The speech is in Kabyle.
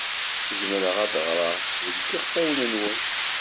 Zemreɣ ad ɣreɣ deg yiɣfawen-nwen.